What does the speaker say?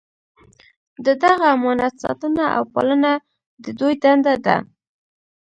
د دغه امانت ساتنه او پالنه د دوی دنده ده.